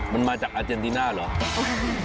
มันมาจากอาเจนติน่าเหรอ